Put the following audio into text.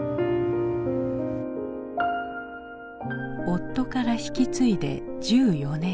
夫から引き継いで１４年。